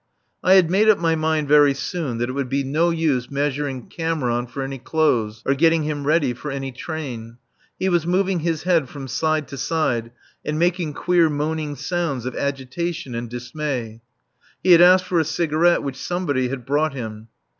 I had made up my mind very soon that it would be no use measuring Cameron for any clothes, or getting him ready for any train. He was moving his head from side to side and making queer moaning sounds of agitation and dismay. He had asked for a cigarette, which somebody had brought him.